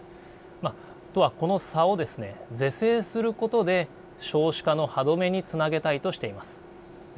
都はこの差を是正することで少子化の歯止めにつなげたいとしています。